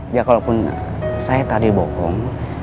ya kalaupun saya tadi bokong